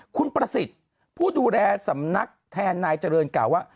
คุณประสิทธิ์ผู้ดูแลสำนักแทนนายเจริญกล่าวว่า